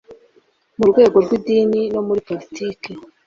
mu rwego rw idini no muri politiki